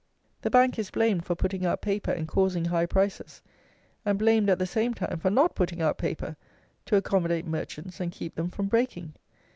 The bank is blamed for putting out paper and causing high prices; and blamed at the same time for not putting out paper to accommodate merchants and keep them from breaking.